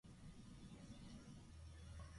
He played college basketball for the Memphis Tigers.